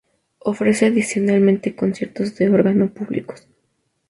Ofrece adicionalmente conciertos de órgano públicos.